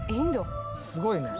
「すごいね」